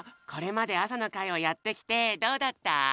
これまであさのかいをやってきてどうだった？